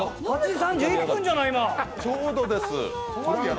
８時３１分じゃない。